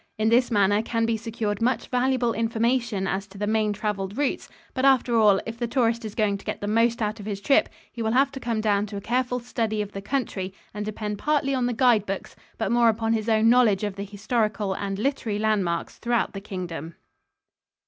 In this manner can be secured much valuable information as to the main traveled routes; but after all, if the tourist is going to get the most out of his trip, he will have to come down to a careful study of the country and depend partly on the guide books but more upon his own knowledge of the historical and literary landmarks throughout the Kingdom.